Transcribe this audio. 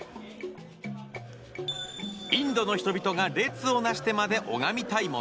インドの人々が列を成してまで拝みたいもの。